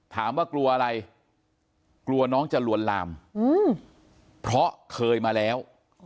กลัวอะไรกลัวน้องจะลวนลามเพราะเคยมาแล้ว